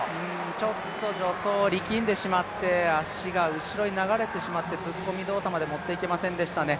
ちょっと助走力んでしまって足が後ろに流れてしまって突っ込み動作まで持っていけませんでしたね。